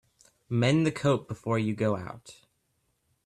Mend the coat before you go out.